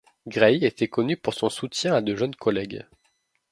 Gray était connue pour son soutien à de jeunes collègues.